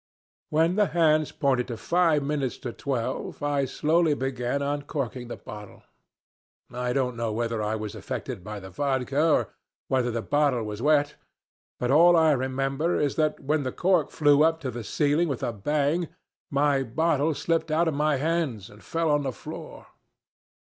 When the hands pointed to five minutes to twelve I slowly began uncorking a bottle. I don't know whether I was affected by the vodka, or whether the bottle was wet, but all I remember is that when the cork flew up to the ceiling with a bang, my bottle slipped out of my hands and fell on the floor.